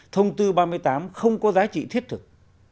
thông tư ba mươi tám không có giá trị thiết thực